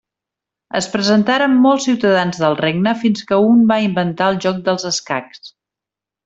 Es presentaren molts ciutadans del regne fins que un va inventar el joc dels escacs.